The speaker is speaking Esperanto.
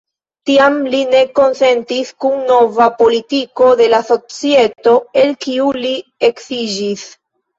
Tiam, li ne konsentis kun nova politiko de la Societo, el kiu li eksiĝis.